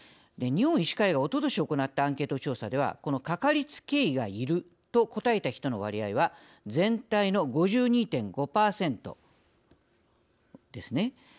日本医師会がおととし行ったアンケート調査ではこの「かかりつけ医がいる」と答えた人の割合は全体の５２．５％ですね。